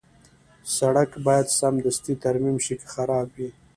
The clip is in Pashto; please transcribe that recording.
سړک باید سمدستي ترمیم شي که خراب وي.